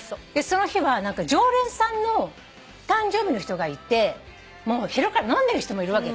その日は常連さんの誕生日の人がいて昼から飲んでる人もいるわけよ